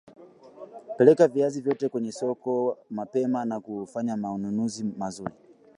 Majina kamili ya wanajeshi hao yamehifadhiwa kwa usalama zaidi.